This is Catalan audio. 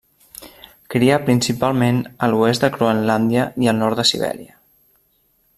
Cria principalment a l'oest de Groenlàndia i al nord de Sibèria.